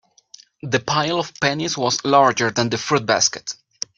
The pile of pennies was larger than the fruit basket.